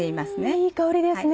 いい香りですね。